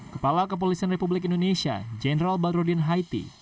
kepala kepolisian republik indonesia jenderal badrodin haiti